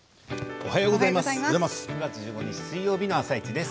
おはようございます。